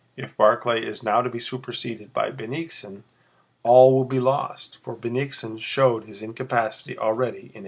If Barclay is now to be superseded by Bennigsen all will be lost, for Bennigsen showed his incapacity already in 1807."